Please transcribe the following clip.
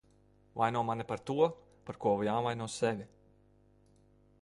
Vaino mani par to, par ko jāvaino sevi.